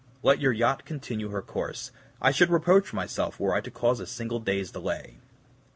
Let your yacht continue her course. I should reproach myself were I to cause a single day's delay."